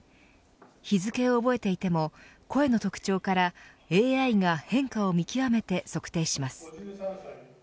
日付を覚えていても声の特徴からＡＩが変化を見極めて測定します。